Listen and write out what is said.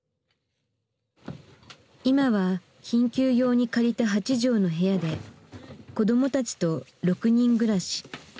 今は緊急用に借りた８畳の部屋で子どもたちと６人暮らし。